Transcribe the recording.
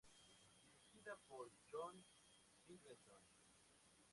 Dirigida por John Singleton.